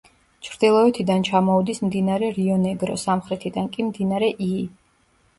ჩრდილოეთიდან ჩამოუდის მდინარე რიო-ნეგრო, სამხრეთიდან კი მდინარე იი.